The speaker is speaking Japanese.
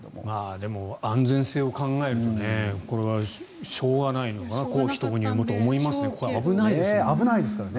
でも、安全性を考えるとこれはしょうがないのかな公費投入もと思いますけど危ないですから。